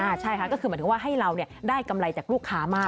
ใช่ค่ะก็คือหมายถึงว่าให้เราได้กำไรจากลูกค้ามาก